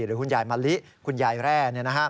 หรือคุณยายมะลิคุณยายแร่